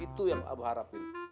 itu yang abah harapin